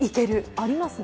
ありますね。